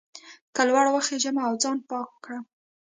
که لوړ وخېژم او ځان پاک کړم.